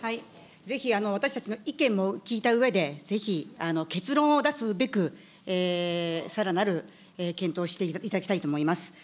ぜひ私たちの意見も聞いたうえで、ぜひ、結論を出すべく、さらなる検討をしていただきたいと思います。